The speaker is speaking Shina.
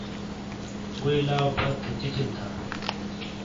ووئی لاؤ پھَت تھے چِیچل تھا ۔